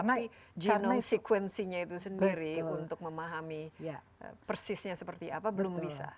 tapi genome sequencingnya itu sendiri untuk memahami persisnya seperti apa belum bisa